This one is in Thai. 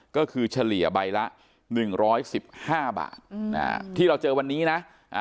ก็คือเฉลี่ยใบละ๑๑๕บาทที่เราเจอวันนี้นะ